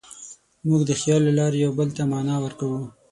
موږ د خیال له لارې یوه بل ته معنی ورکوو.